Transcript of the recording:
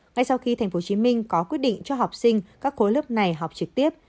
ngay sau khi tp hcm có quyết định cho học sinh các khối lớp này học trực tiếp